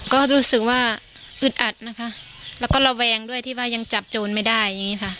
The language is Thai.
ก็รู้สึกว่าอึดอัดนะคะแล้วก็ระแวงด้วยที่ว่ายังจับโจรไม่ได้อย่างนี้ค่ะ